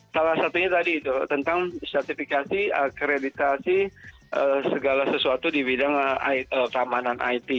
salah satunya tadi itu tentang sertifikasi akreditasi segala sesuatu di bidang keamanan it